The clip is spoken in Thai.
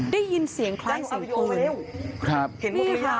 นี่เงี่ยค่ะช่วงท้าย